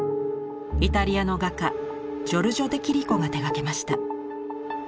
イタリアの画家ジョルジョ・デ・キリコが手がけました。